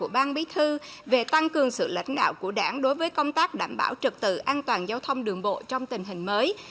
ban bí thư về tăng cường sự lãnh đạo của đảng đối với công tác đảm bảo trật tự an toàn giao thông đường bộ trong tình hình mới